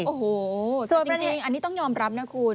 โอ้โหสวยจริงอันนี้ต้องยอมรับนะคุณ